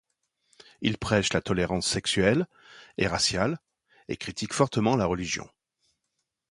Ils prêchent la tolérance sexuelle et raciale et critiquent fortement la religion.